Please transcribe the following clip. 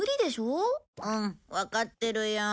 うんわかってるよ。